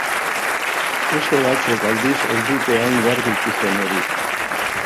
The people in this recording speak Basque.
Beste batzuek, aldiz, ez dute hain garbi ikusten hori.